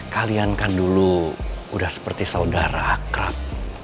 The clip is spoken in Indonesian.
kalian kan dulu udah seperti saudara akrab